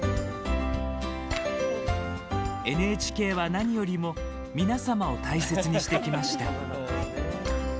ＮＨＫは、何よりも「みなさま」を大切にしてきました。